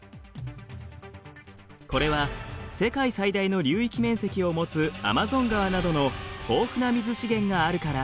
これは世界最大の流域面積を持つアマゾン川などの豊富な水資源があるから。